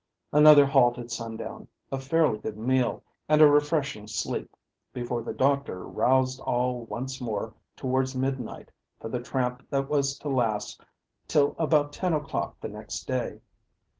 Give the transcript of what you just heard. Another halt at sundown, a fairly good meal, and a refreshing sleep, before the doctor roused all once more towards midnight for the tramp that was to last till about ten o'clock the next day.